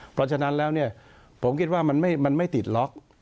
เพราะฉะนั้นแล้วเนี่ยผมคิดว่ามันไม่ติดล็อก